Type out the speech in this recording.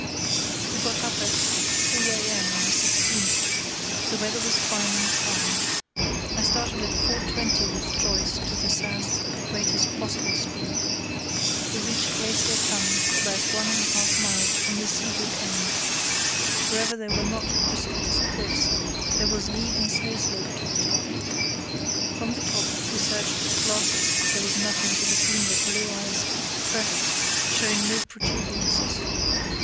We got up at 3 a.m. on the 16th. The weather was fine and calm. I started at 4.20 with Joyce to the south at the greatest possible speed. We reached Glacier Tongue about one and a half miles from the seaward end. Wherever there were not precipitous cliffs there was an even snow slope to the top. From the top we searched with glasses; there was nothing to be seen but blue ice, crevassed, showing no protuberances.